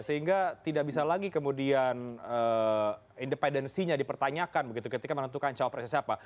sehingga tidak bisa lagi kemudian independensinya dipertanyakan begitu ketika menentukan cawapresnya siapa